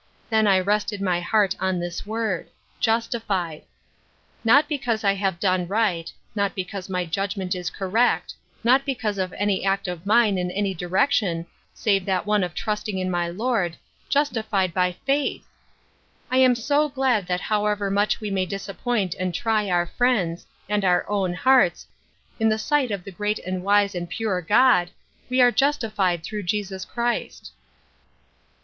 Then I rested my heart on this word: ''justified.'' Not because I have done right ; not because my judgment is correct ; not l)ecause of any act of mine in any direction save that one From Different Standpoints, 91 of trusting in my Lord, justified hj faith / I am so glad that however much we may disappoint and try our friends, and our own hearts, in the sight of the great and wise and pure God, we are justified through Jesus Christ."